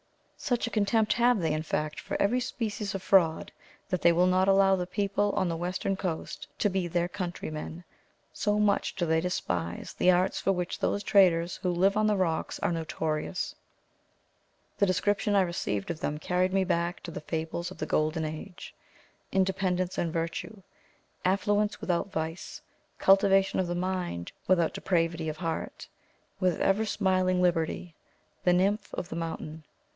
Such a contempt have they, in fact, for every species of fraud, that they will not allow the people on the western coast to be their countrymen; so much do they despise the arts for which those traders who live on the rocks are notorious. The description I received of them carried me back to the fables of the golden age: independence and virtue; affluence without vice; cultivation of mind, without depravity of heart; with "ever smiling Liberty;" the nymph of the mountain.